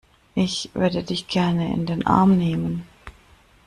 Ich würde dich gerne in den Arm nehmen.